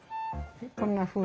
こんなふうに。